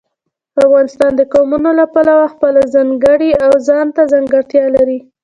افغانستان د قومونه له پلوه خپله ځانګړې او ځانته ځانګړتیا لري.